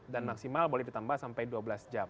dan maksimal boleh ditambah sampai dua belas jam